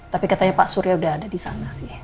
tapi katanya pak surya udah ada disana sih